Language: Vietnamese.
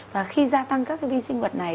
và khi gia tăng các cái vi sinh vật này